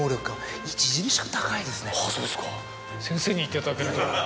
そうですか先生に言っていただけると。